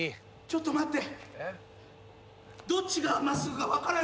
ちょっと待って。